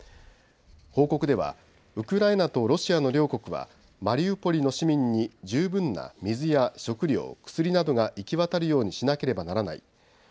報告ではウクライナとロシアの両国はマリウポリの市民に十分な水や食料、薬などが行き渡るようにしなければならない。